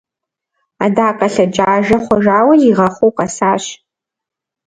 Адакъэ лъэджажэ хъужауэ, зигъэхъуу къэсащ!